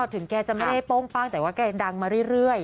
ถึงแกจะไม่ได้โป้งป้างแต่ว่าแกดังมาเรื่อย